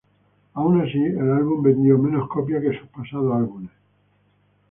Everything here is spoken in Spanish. Aun así, el álbum vendió menos copias que sus pasados álbumes.